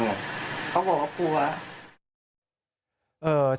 เขาบอกว่าครับ